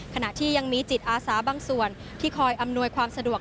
ขณะที่ยังมีจิตอาสาบางส่วนที่คอยอำนวยความสะดวก